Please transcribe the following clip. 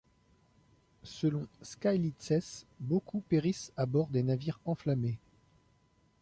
Selon Skylitzès, beaucoup périssent à bord des navires enflammés.